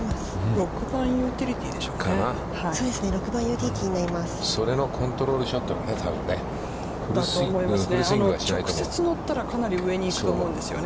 ６番ユーティリティーですかね。